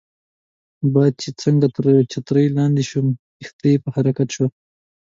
باد چې څنګه تر چترۍ لاندې شو، کښتۍ په حرکت شوه.